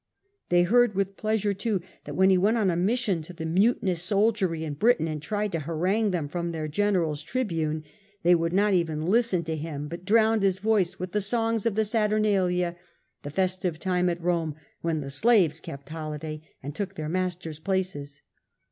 They heard with pleasure too that when he went on a mission to the muti nous soldiery in Britain, and tried to harangue them from rheir general's tribune, they would not even listen to him 88 The Earlier Empire, a.d. 41 54. Polybius. but drowned his voice with the songs of the Saturnalia, the festive time at Rome, when the slaves kept holiday and took their masters' places.